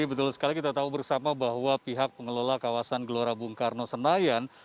betul sekali kita tahu bersama bahwa pihak pengelola kawasan gelora bung karno senayan